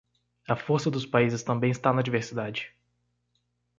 A força dos países também está na diversidade